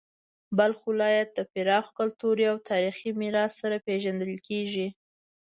بلخ ولایت د پراخ کلتوري او تاریخي میراث سره پیژندل کیږي.